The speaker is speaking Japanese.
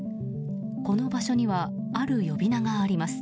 この場所にはある呼び名があります。